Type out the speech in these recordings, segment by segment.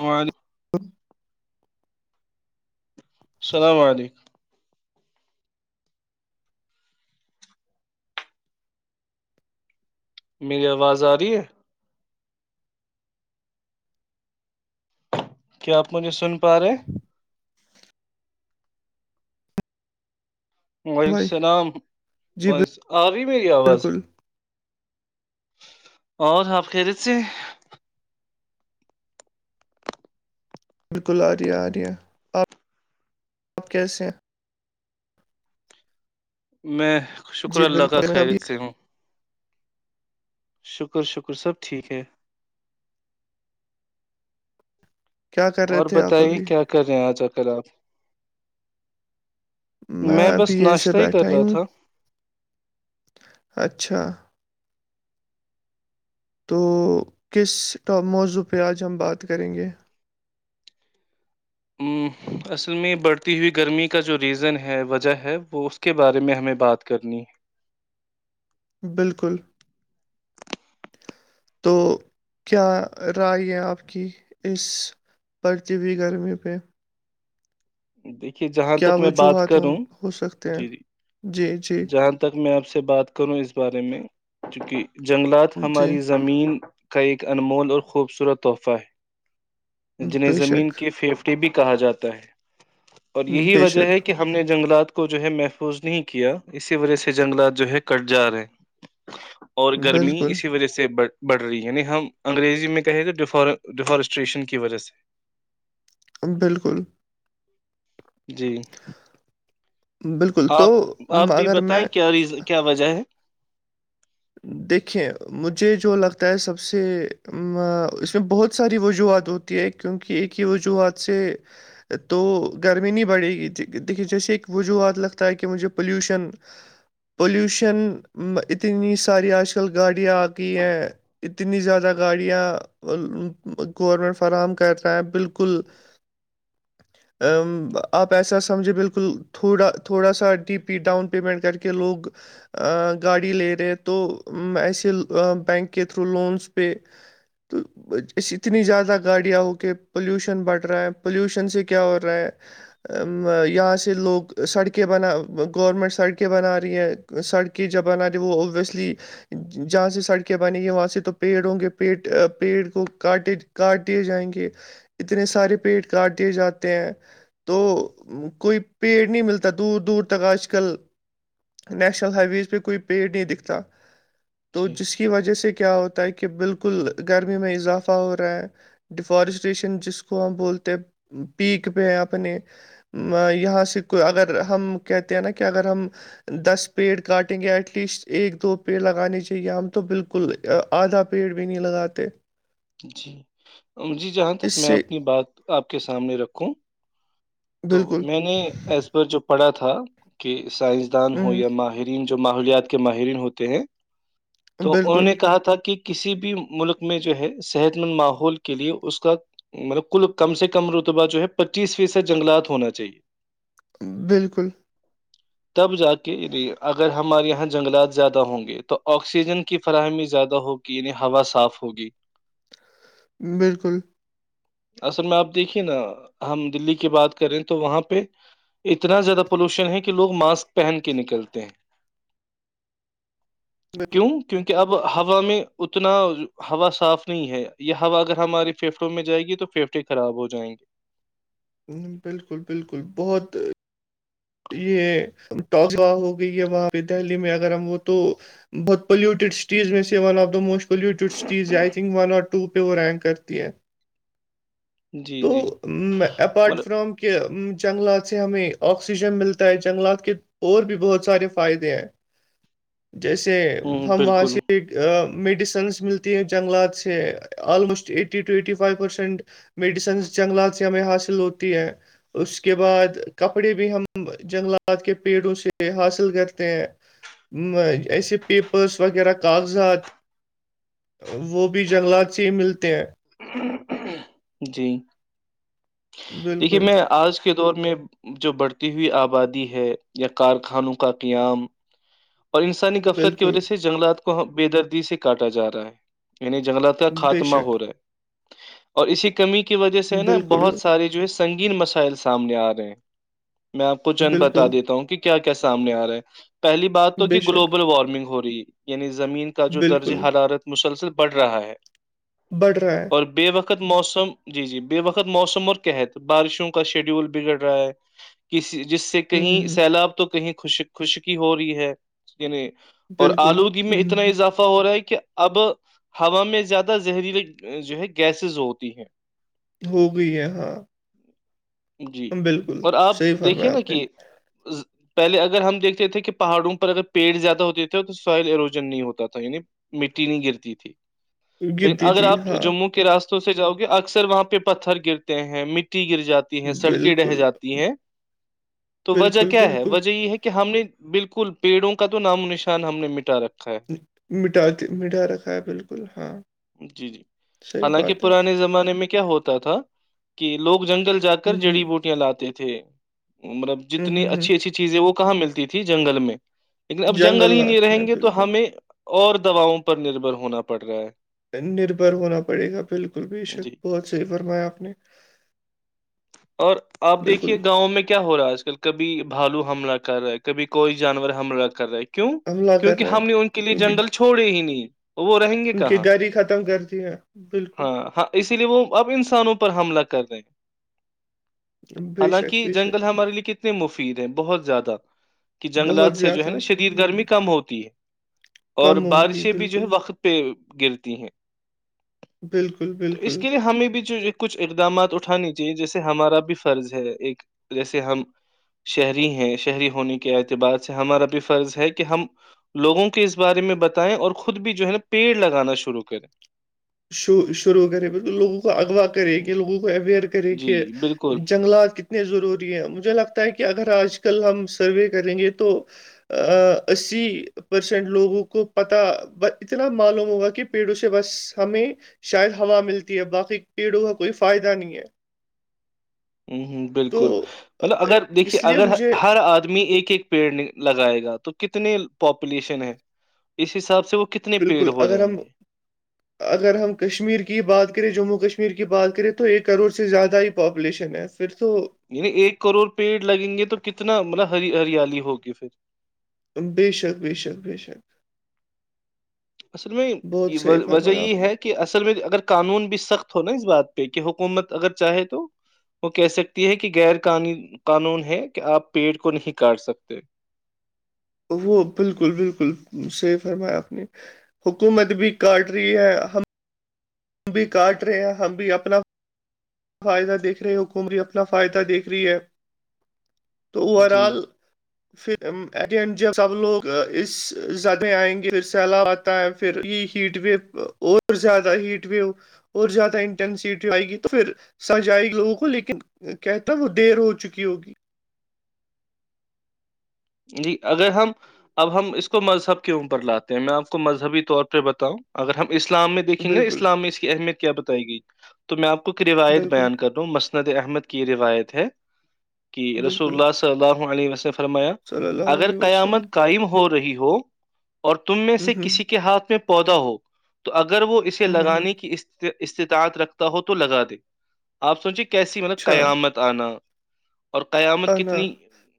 اور ہ غھگ میری آواز آ رہی ہے کیا آپ مجھے سن پا رہے ہیں وعلیکم بھائی السلام جی آ رہی میری آواز بالکل اور آپ خریت سے بالکل عریہ آریہ آپ آپ کیسے ہیں میں شکر جی اللہ کا بالکل میں سب خیریت ٹھیک سے ہوں شکر شکر سب ٹھیک ہے کیا کر رہے اور تھے آپ بتائیں ابھی کیا کر رہے ہیں آج اکل آپ میں بس ابھی ایسے ناشتہ ہی کر بیٹھا رہا ہوں تھا اچھا تو کسٹ موضوع پہ آج ہم بات کریں گے اصل میں بڑھتی ہوئی گرمی کا جو ریزن ہے وجہ ہے وہ کے بارے میں ہمیں بات کرنی بالکل تو کیا رائے ہے آپ کی اس پرچی بھیئی گرمی پہ دیکھیے جہاں کیا تک میں بات وجوہات ہوں کروں ہو سکتے ہیں جی جی جی جی جہاں تک تک میں آپ سے بات کروں اس بارے میں چونکہ جنگلات جی ہماری زمین ایک انمول اور خوبصورت تحفہ ہے جنہیں بے زمین شک کے فھیفڑ بھی کہا جاتا ہے اور یہی بے وجہ ہے شک کہ ہم ہم نے جنگلات کو جو ہے محفوظ نہیں کیا اسی وجہ سے جنگلات جو ہے کٹ جا رہے [inaudible] اور گرمی بالکل اسی وجہ سے بڑھ بڑھ رہی ہے یعنی ہم انگریزی میں کہیں گے ڈیفارسٹریشن کی وجہ سے بالکل جی بالکل تو آپ آپ تو بھی اگر میں بتائیں کیا ریز کیا وجہ ہے دیکھیں مجھے جو لگتا ہے سب سے اس میں بہت ساری وجوہات ہوتی ہے کیونکہ ایک ہی وجوہات سے تو گرمی نہیں بڑھے گی دیکھیے جیسے ایک وجوہات لگتا ہے کہ مجھے پلیوشن پولوشن اتنی ساری آج کل گاڑیاں آ گئی ہیں اتنی زیادہ گاڑیاں گورمنٹ فراہم کر رہے ہیں بالکل ا آپ ایسا سمجھے بالکل تھوڑا تھوڑا سا ڈی پی ڈاؤن پیمنٹ کر کے لوگ گاڑی لے رہے تو ایسے بینک کے تھرو لونس پہ تو اتنی زیادہ گاڑیاں ہو کے پولوشن بڑھ رہا ہے پلیوشن سے کیا ہو رہا ہے یہاں سے لوگ سڑکیں بنا گورنمنٹ سڑکیں بنا رہی ہیں سڑکیں جبانہ رہ وہ اوبویسلی جہاں سے سڑکیں بنےیں گی وہاں سے تو پیڑ ہوں گے پیٹ پیڑ کو کاٹے کاٹے جائیں گے اتنے سارے پیٹ کاٹ دیے جاتے ہیں تو کوئی پیڑ نہیں ملتا دور دور تک آج کل نیشنل ہائی ویز پہ کوئی پیڑ نہیں دکھتا تو جی جس کی وجہ سے کیا ہوتا ہے کہ بالکل گرمی میں اضافہ ہو رہا ہے ڈیفارسٹیشن جس کو ہم بولتے ہیں پیک پہ اپنے یہاں سے کو اگر ہم کہتے ہیں نا کہ اگر ہم دس پیڑ کاٹیں گے ایٹ لیسٹ ایک دو پیڑ لگانے چاہیے ہم تو بالکل آدھا پیڑ بھی نہیں لگاتے جی جی جہاں اس تک میں سے اپنی بات آپ کے سامنے رکھوں تو بالکل میں نے ایز پر جو پڑھا تھا کہ سائنسدان ہو ہوں، یا ماہر جو ماحولیات کے ماہرین ہوتے ہیں تو انہوں بالکل نے کہا تھا کہ کسی بھی ملک میں جو ہے صحت مند ماحول کے لیے اس کا مطلب کل کم سے کم رتبہ جو ہے پچیس فیصد جنگلات ہونا چاہیے بالکل تب جا کے اگر ہمارے یہاں جنگلات زیادہ ہوں گے تو آکسیجن کی فراہمی زیادہ ہوگی کی نہیں ہا صاف ہوگی بالکل اصل میں آپ دیکھیے نا ہم دلی کی بات کریں تو وہاں پہ اتنا زیادہ پولوشن ہے کہ لوگ ماسک پہن کے نکلتے ہیں بال- کیوں کیونکہ اب ہوا میں اتنا ہوا صاف نہیں ہے یہ ہوا اگر ہماری پھیفڑوں میں جائے گی تو فیفٹ خراب ہو جائیں گے بالکل بالکل بہت یہ ہو گئی ہے وہاں پہ دہلی میں اگر ہم وہ تو بہت پلیوٹی سٹیز میں سے one of the most polluted سزئی تھنک وو پہ وہ رینک کرتی ہے جی تو جی اپپارٹ مطلب فرام کہ جنگلات سے ہمیں آکسیجن ملتا ہے جنگلات کے اور بھی بہت سارے فائدے ہیں جیسے ہوں، ہم وہاں بالکل سے میڈیسنس ملتی ہیں جنگلات سے almost eighty to eighty five percent medicines جنگلات سے ہمیں حاصل ہوتی ہے اس کے بعد کپڑے بھی ہم جنگلات کے پیڑوں سے حاصل کرتے ہیں ایسے پیپرس وغیرہ کاغذات وہ بھی جنگلات سے ہی ملتے ہیں جی دیکھیے بالکل میں آج کے دور میں جو بڑھتی ہوئی آبادی ہے یا کارخانوں کا قیام اور انسانی گغفلت کی بالکل وجہ سے جنگلات کو بے دردی سے کاٹا جا رہا ہے یعنی جنگلات کا بے خاتمہ شک ہو رہا ہے اور اسی کمی کی وجہ سے نا بالکل بہت سارے جو ہے سنگین مسائل سامنے آ رہے ہیں میں آپ کو چند بتا بالکل، دیتا ہوں کہ کیا کیا سامنے آ رہا ہیں پہلی بار بات تو بے کہ شک، گلوبل وارمنگ ہو رہی ہے یعنی زمین کا جو درج بالکل، حرارت مسلسل بڑھ رہا ہے بڑھ رہا ہے اور ب وقت موسم [unintelligible] جی جی بے وقت موسم اور کیات بارشوں کا شیڈیول بگڑ رہا ہے کسی جس سے ہوں، کہیں ہوں، ہوں، سیلاب تو کہیں خش خوشکی ہو رہی ہے یعنی اور بالکل، آلودگی میں ہوں، ہوں، اتنا ہوں، اضافہ ہو رہا ہے کہ اب ہوا میں زیادہ زہریلی جو ہے گیسز ہوتی ہیں ہو گئی ہے ہاں جی بالکل، اور آپ صحیح دیکھے فرمایا نا آپ نے، کہ ز- [inaudible] پہلے اگر ہم دیکھتے تھے کہ پہاڑوں پر اگر پیڑ زیادہ ہوتے تھے تو سوائل اروجن نہیں ہوتا تھا یعنی مٹی نہیں گرتی تھی لیکن گرتی اگر تھی، آپ ہاں، جموں کے راستوں سے جاؤ گ اکثر وہاں پہ پتھر گرتے ہیں مٹی گر جاتی ہیں سڑکیں رہ بالکل، جاتی ہیں تو وجہ بالکل، کیا ہے بالکل، وجہ یہ ہے کہ ہم نے بالکل پیڑوں کا تو نام و نشان ہم نے مٹا رکھا ہے مٹا کے مٹھا رکھا ہے بالکل ہاں جی جی [unintelligible] حالانکہ بات ہے، پرانے زمانے میں کیا ہوتا تھا کہ لوگ جنگل جا کر ہوں، جڑی ہوں، بوٹیاں لاتے تھے [unintelligible] تھے مطلب ہوں، جتنی ہوں، ہوں، اچھی اچھی چیزیں وہ کہاں ملتی تھی جنگل میں لیکن اب جنگل ہی جنگلات نہیں میں، رہیں گے تو بالکل، ہمیں اور دواؤں پر نربھر ہونا پڑ رہا ہے نربھر ہونا پڑے گا بالکل بے شک جی بہت صحی فرمایا آپ نے اور آپ بالکل، دیکھیے گاؤں میں کیا کیا ہو رہا ہے آج کل کبھی بھالو حملہ کر رہا ہے کبھی کوئی جانور حملہ کر رہا ہے کیوں حملہ کر کیونکہ رہا ہم نے ان کے ہے، لیے کیونکہ جنرل چھوڑے ہی نہیں وہ رہیں گے ان کے کہاں گھر ہی ختم کر دیا، بالکل ہاں ہاں اسی لیے وہ اب انسانوں پر حملہ کر رہے بے حالانکہ شک، بے جنگل شک ہمارے لیے کتنے اتنے مفید ہیں بہت زیادہ کہ جنگلات بہت سے جو زیادہ ہے نا شدید ہمم، گرمی کم ہوتی ہے [unintelligible] اور کم ہوگی بارشیں بھی جو ہے بالکل وقت پہ گرتی ہیں بالکل تو اس بالکل کے لیے ہمیں بھی جو کچھ اقدامات اٹھانے جی جیسے ہمارا بھی فرض ہے ایک جیسے ہم شہری ہیں شہری ہونے کے اعتبار سے ہمارا بھی فرض ہے کہ ہم لووں کے اس بارے میں بتائیں اور خود بھی جو ہے نا پیڑ لگانا شروع کریں [unintelligible] شو شروع کرے مطل لوگوں کو اغوا کرے ہوں، کہ لوگوں کو اویئر [unintelligible] کرے جی کہ بالکل جنگلات کی اتنے ضروری ہیں مجھے لگتا ہے کہ اگر آج کل ہم سروے کریں گے تو اس [unintelligible] پرسینٹ لوگوں کو پتا اتنا معلوم ہوگا کہ پیڑوں سے بس ہمیں شاید ہوا ملتی ہے باقی پیڑوں کا کوئی فائدہ نہیں ہے ہ ہ تو بالکل آ، مطلب اگر دیکھیے اس لیے اگر مجھے ہر آدمی ایک ایک پیڑ لگائے گا تو کتنے پاپولیشن ہے اس حساب سے وہ کتنے بالکل پیڑ ہو اگر ہم جائیں گے اگر ہم کشمیر کی بات کریں جموں کشمیر کی بات کریں تو ایک کروڑ سے زیادہ ہی پاپولیشن ہے پھر تو یعنی ایک کروڑ پیڑ لگیں گے تو کتنا مطلب ہ ہریالی ہوگی پھر بیشک بیشک بیشک اصل میں بہت صحیح وجہ فرمایا آپ یہ نے ہے کہ اصل میں اگر قانون بھی سخت ہوناا اس بات پہ کہ حکومت اگر چاہے تو وہ کہہ سکتی ہے کہ غیر قان قانون ہے کہ آپ پیڑ کو نہیں کاٹ سکتے وہ بالکل بالکل صحیح فرمایا آپ نے حکومت بھی کاٹ رہی ہے ہم ہم بھی کاٹ رہے ہیں ہم بھی اپنا فائدہ دیکھ رہے ہے حکومری اپنا فائدہ دیکھ رہی ہے تو اوور جی آل پھر ایٹ د اینڈ جب سب لوگ اس زدہ آئیں گے پھر سیلابات ہے پھر یہ ہیٹ وو اور زیادہ ہیٹ ویو اور زیادہ انٹینسٹی آئے گی تو پھر سج آئے گی لوگوں کو لیکن کہتا وہ دیر ہو چکی ہوگی جی اگر ہم اب ہم اس کو مذہب کے اوپر لاتے ہیں میں آپ کو مذہبی طور پہ بتاؤں اگر ہم اسلام میں دیکیں گ نا بالکل اسلام میں اس کی اہمیت کیا بتائی گئی تو میں آپ کو ایک روایت بالکل بیان کرتا ہوں مسد احمد کی یہ روایت ہے کہ رسول بالکل اللہ ص اللہ علیہ وسلم نے فرمایا صلی اللہ اگر علیہ وسلم قیامت قائم ہو رہی ہو اور تم میں ہوں سے ہوں کسی کے ہاتھ میں پودا ہو تو اگر وہ اسے ہوں ہوں ہوں۔ لگانے کی است استطاعت رکھتا ہو تو لگا دے آپ سوچے کیسی مطلب اچھا قیامت آنا اور قیامت انا کتنی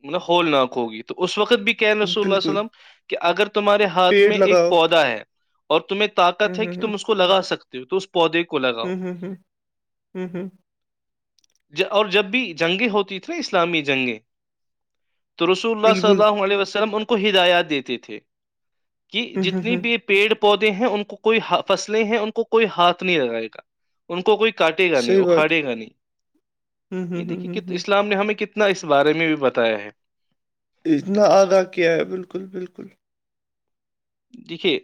مطلب ہولناک ہوگی تو اس وقت بھی کہ نسول اللہ بالکل وسلم کہ اگر تمہارے ہاتھ پیڑ میں ایک لگاؤ پودا ہے اور تمہیں ہوں طاقت ہے کہ ہوں تم اس کو لگا سکتے ہو تو اس کو پدے کو لاگاؤ ہوں ہوں ہوں ہوں ہوں ہوں۔ اور جب بھی جنگیں ہوتی تھھی نا اسلامی جنگیں تو رس اللہ سے بالکل علیہ وسلم ان کو ہدایات دیتے تھے کہ ہوں ہوں جتنی ہوں بھی پیڑ پودے ہیں ان کو کوئی فصلیں ہیں ان کو کوئی ہاتھ نہیں لگائے گا ان کو کوئی کاٹے گا نہیں صحیح بات اکھاڑے گا نہیں ہوں یہ ہوں ہوں دیکھیے ہوں ہوں۔ اسلام نے ہمیں کنے اتنا اس بارے میں بھی بتایا ہے اتنا آگا کیا ہے بالکل بالکل دیکھیے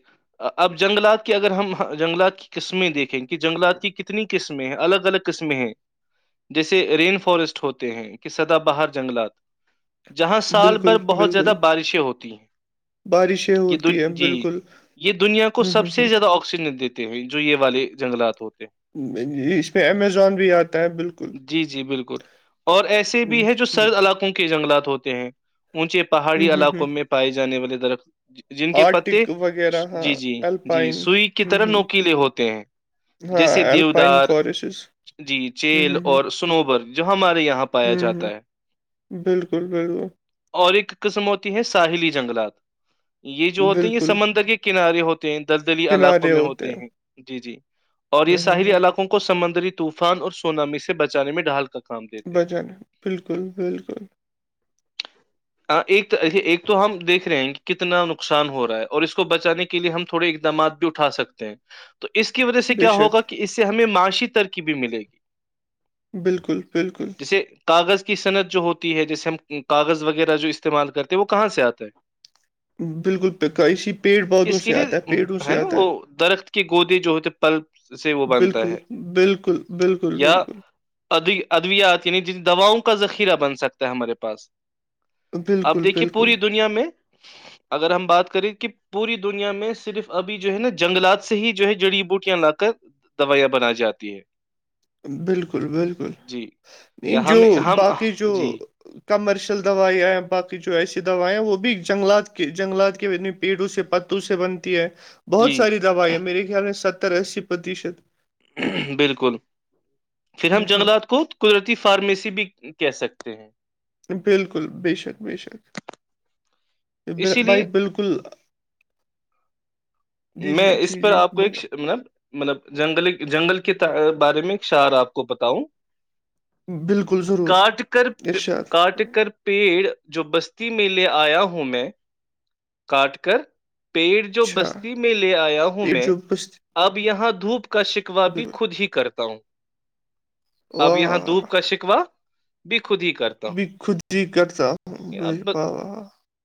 اب جنگلات کے اگر ہم جنگلات کی قسمیں دیکھیں کہ جنگلات کی کتنی قسمیں ہیں الگ الگ قسمیں ہیں جیسے رین فارسٹ ہوتے ہیں کہ سدا باہر جنگلات جہاں سال بالکل بھر بہت بالکل زیادہ بارشیں ہوتی ہیں بارشیں یہ د ہوتی ہے جی بالکل یہ دنیا کو ہ سب ہ ہ سے زیادہ آکسیجن دیتے ہیں جو یہ والے جنگلات ہوتے ہیں اس میں امیزون بھی آتا ہے بالکل جی جی بالکل اور ایسے بھی ہے جو ہ سرد علاقوں کے جنگلات ہوتے ہیں اونچے پہاڑی ہ ہ علاقوں میں پائے جانے والے درخت جن کے پتے آرٹک وغیرہ ہاں جی جی جی الپائن سئی کی ہ طرح ہ نوکیلے ہوتے ہیں ہاں جیسے اللپائن دیودار فاریسز جی چیل اور سنوبر جو ہمارے یہاں پایا ہ ہ جاتا ہے بالکل بالکل اور ایک قسم ہوتی ہے ساحلی جنگلات یہ جو ہوتا بالکل د کے کنارے ہوتے ہیں دلدلی علاقوں میں ہوتے ہیں جی جی اور یہ ہ ہ ساحلی ہ علاقوں کو سمندری طوفان اور سونامی سے بچانے میں ڈھال کر بجن بالکل بالکل ایک ایک تو ہم دیکھ رہے ہیں کتنا نقصان ہو رہا ہے اور اس کو بچانے کے کے لیے ہم تھوڑے اقدامات بھی اٹھا سکتے ہیں تو اس کی وجہ سے بے کیا ہوگا شک کہ اس سے ہمیں معاشی ترکی بھی ملے گی بالکل بالکل جیسے کاغذ کی صنعت جو ہوتی ہے جیسے ہم کاغذ وغیرہ جو استعمال کرتے ہیں وہ کہاں سے آتا ہے بالکل پیی پیڑ پودوں اس سے کے لیے آتا ہے پیڑوں سے نا آتا وہ ہے درخت کے گودے جو ہوتے پلپ سے وہ بنتا بالکل ہے بالکل بالکل بالکل اد ادویات یعنی جن دواؤں کا ذخیرہ بن سکتا ہے ہمارے پاس اب بالکل دیکھیے بالکل پوری دنیا میں اگر ہم بات کریں کہ پوری دنیا میں صرف ابھی جو ہے نا جنگلات سے ہی جو ہے جڑی بوٹیاں لا کر دوائیاں بنائی جاتی ہے بالکل بالکل جی نہیں یا جو ہم ہم باقی جو جی کمرشل دوائیاں باقی جو ایسی دوائیاں وہ بھی جنگلات کے جنگلات کے پیڑوں سے پتوں سے بنتی ہے بہت جی ساری دوائیں میرے خیال میں ستر اسی پرتیشت بالکل پھر ہم ہوں جنگلات کو قدرتی فارمیسی بھی کہہ سکتے ہیں بالکل بے شک بے شک ب اسی بھائی لیے بالکل کل میں اس پر آپ کو ایک مطلب مطلب جنگلی جنگل کے بارے میں شعر آپ کو بتاؤں بالکل ضرور کاٹ کر ارشاد فرمائیں۔ کاٹ کر پیڑ جو بستی میں لے آیا ہوں میں کاٹ کر پیڑ جو اچھا بستی میں لے آیا ہوں پیٹ میں جو بس اب یہاں دھوپ کا شکوا بھی بالکل خود ہی کرتا ہوں اب یہاں واہ دھوپ کا شکوا بھی خود ہی کا بھی خود ہی کرتا ہوں ب اب واہ و